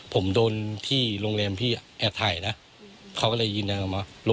ผมโดนที่โรงแรมพี่แอดไทยนะเขาก็เลยยืนมา